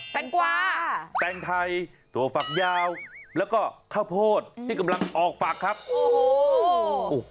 แงกวาแตงไทยตัวฝักยาวแล้วก็ข้าวโพดที่กำลังออกฝักครับโอ้โห